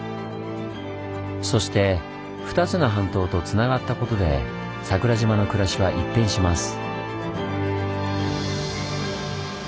そして２つの半島とつながったことで桜島の暮らしは一変します。